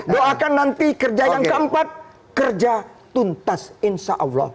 doakan nanti kerja yang keempat kerja tuntas insya allah